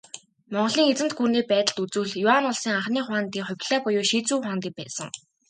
Монголын эзэнт гүрний байдалд үзвэл, Юань улсын анхны хуанди Хубилай буюу Шизү хуанди байсан.